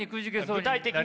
具体的に。